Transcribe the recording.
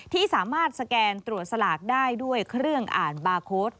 ที่สามารถสแกนตรวจสลากได้ด้วยเครื่องอ่านบาร์โค้ด